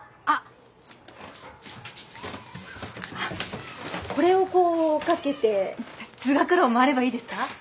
あっこれをこう掛けて通学路を回ればいいですか？